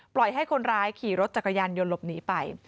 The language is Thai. ให้คนร้ายขี่รถจักรยานยนต์หลบหนีไป